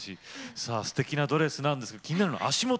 さあすてきなドレスなんですが気になるのは足元。